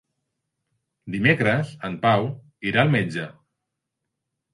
Dimecres en Pau irà al metge.